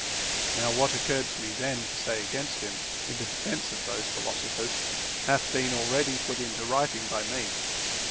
Now what occurred to me then to say against him, in the de fence of those philosophers, hath been already put into writing by me.